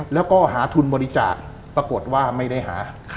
แล้วก็หาทุนบริจาคปรากฏว่าไม่ได้หา